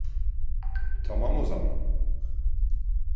Tamam, o zaman.